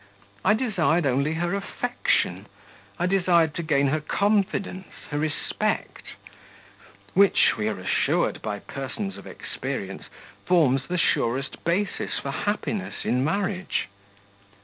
I desired only her affection, I desired to gain her confidence, her respect, which, we are assured by persons of experience, forms the surest basis for happiness in marriage....